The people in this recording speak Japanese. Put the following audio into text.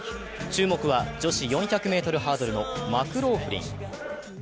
注目は、女子４００ｍハードルのマクローフリン。